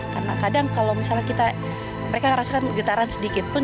karena kadang kalau misalnya kita mereka merasakan getaran sedikit pun